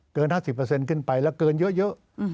เกิน๕๐ขึ้นไปแล้วเกินเยอะ